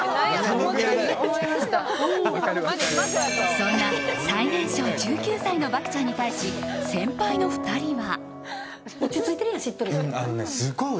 そんな最年少１９歳の漠ちゃんに対し、先輩の２人は。